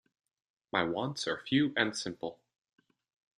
My wants are few and simple.